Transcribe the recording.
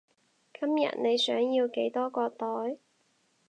今日你想要幾多個袋？